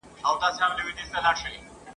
چاچي بد کړي بد به یادیږي !.